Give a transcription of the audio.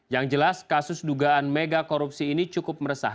yang jelas kasus dugaan megakorupsi ini cukup meragukan